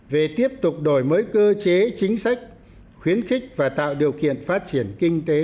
về tiếp tục đổi mới cơ chế chính sách khuyến khích và tạo điều kiện phát triển kinh tế